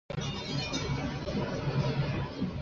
卖掉从父亲那里继承的三分地